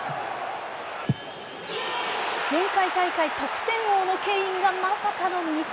前回大会、得点王のケインがまさかのミス。